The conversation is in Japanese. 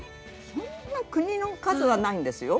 そんな国の数はないんですよ。